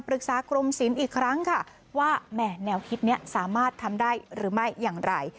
กรมศิลป์อีกครั้งค่ะว่าแห่แนวคิดนี้สามารถทำได้หรือไม่อย่างไร